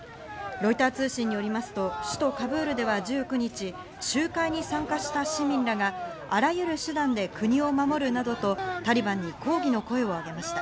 ロイター通信によりますと、首都・カブールでは１９日、集会に参加した市民らがあらゆる手段で国を守るなどとタリバンに抗議の声を上げました。